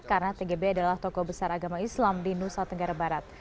karena tgb adalah tokoh besar agama islam di nusa tenggara barat